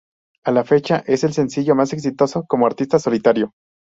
A la fecha, es el sencillo más exitoso cómo artista solitario.